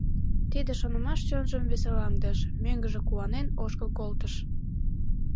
Тиде шонымаш чонжым веселаҥдыш, мӧҥгыжӧ куанен ошкыл колтыш.